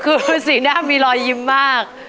คือสีหน้ามีรอยยิ้มมาก